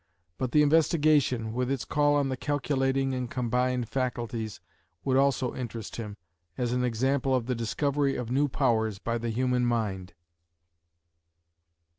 But the investigation, with its call on the calculating and combining faculties, would also interest him, as an example of the discovery of new powers by the human mind.